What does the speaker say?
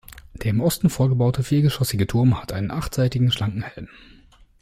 Der im Osten vorgebaute viergeschossige Turm hat einen achtseitigen schlanken Helm.